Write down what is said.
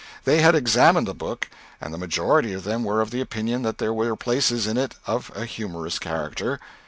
They had examined the book, and the majority of them were of the opinion that there were places in it of a humorous character.